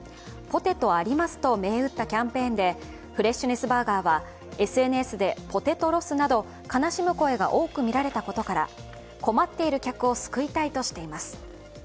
ポテトありますと銘打ったキャンペーンでフレッシュネスバーガーはＳＮＳでポテトロスなど悲しむ声が多く見られたことから困っている客を救いたいとしています。